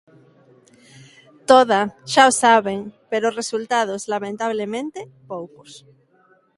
Toda, xa o saben, pero resultados, lamentablemente, poucos.